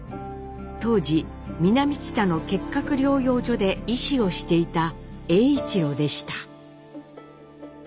当時南知多の結核療養所で医師をしていた栄一郎でした。